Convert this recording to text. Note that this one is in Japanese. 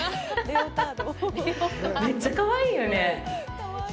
めっちゃかわいいよね。